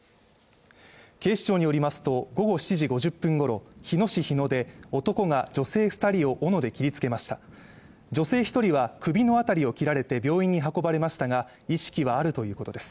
警視庁によりますと、午後７時５０分ごろ、日野市日野で男が女性２人を斧で切りつけました女性１人は首のあたりを切られて病院に運ばれましたが意識はあるということです。